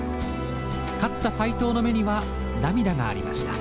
勝った斎藤の目には涙がありました。